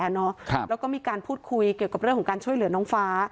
แล้วก็มีการพูดคุยเกี่ยวกับเรื่องของการช่วยเหลือน้องฟ้า